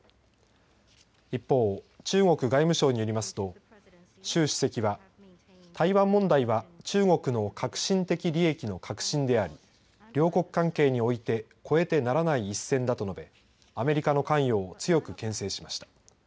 一方、中国外務省によりますと習主席は台湾問題は中国の核心的利益の核心であり両国関係において越えてならない一線だと述べアメリカの関与を強くけん制しました。